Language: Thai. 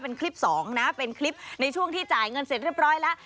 เป็นคลิปสองนะเป็นคลิปในช่วงที่จ่ายเงินเสร็จเรียบร้อยแล้ว